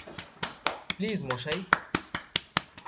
Please, মশাই।